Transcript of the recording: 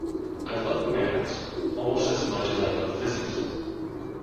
I love maths almost as much as I love physics